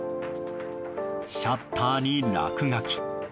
シャッターに落書き。